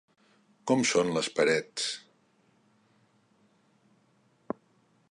Com són les parets?